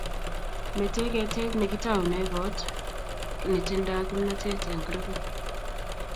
Mete ketech nekitaune kot nitindo kimnatet eng grupit.